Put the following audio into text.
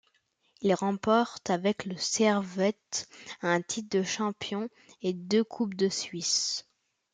Il remporte avec le Servette un titre de champion, et deux Coupes de Suisse.